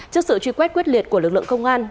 trước sự truy quét quyết liệt của lực lượng công an